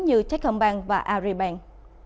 như techcombank và aribank